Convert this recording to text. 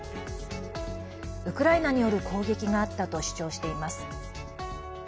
ウクライナによる攻撃があったと主張しています。